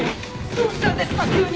どうしたんですか急に！